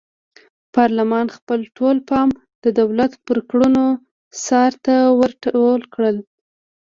پارلمان خپل ټول پام د دولت پر کړنو څار ته ور ټول کړ.